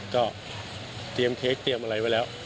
ก็เตรียมเค้กเตรียมอะไรไว้แล้ว